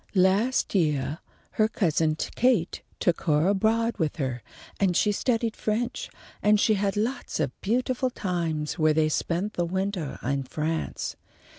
Last yeah her cousin Kate took her abroad with her, and she studied French, and she had lots of beautiful times where they spent the wintah in France.